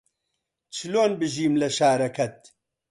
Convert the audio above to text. چلۆن بژیم لە شارەکەت